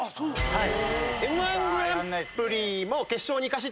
はい。